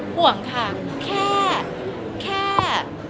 ห่วงค่ะแค่